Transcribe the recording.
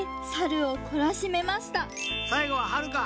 さいごははるか。